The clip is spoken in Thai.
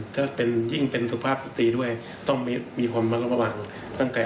เฉพายิ่งเป็นสุภาพศัตรีด้วยต้องมีความระมาวะแล้วตั้งแต่